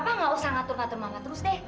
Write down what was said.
papa nggak usah ngatur ngatur mama terus deh